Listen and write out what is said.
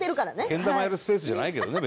けん玉やるスペースじゃないけどね